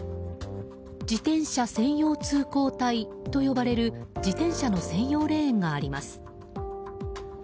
自転車専用通行帯と呼ばれる自転車の専用レーンがあります。